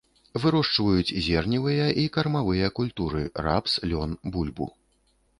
Вырошчваюць зерневыя і кармавыя культуры, рапс, лён, бульбу.